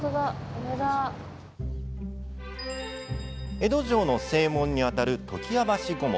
江戸城の正門にあたる常盤橋御門。